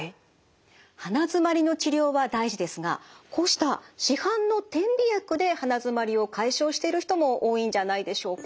鼻づまりの治療は大事ですがこうした市販の点鼻薬で鼻づまりを解消している人も多いんじゃないでしょうか。